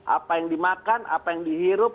apa yang dimakan apa yang dihirup